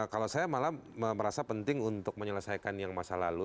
kalau saya malah merasa penting untuk menyelesaikan yang masa lalu